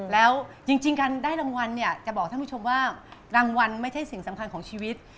แล้วจริงการได้รางวัลเนี่ยจะบอกท่านผู้ชมว่ารางวัลไม่ใช่สิ่งสำคัญของชีวิต